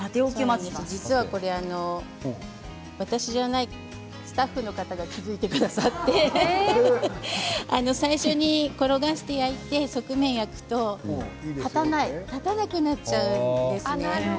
実はこれ私じゃなくてスタッフの方が気付いてくださって最初に転がして焼いて側面を焼くと立たなくなっちゃうんですよ。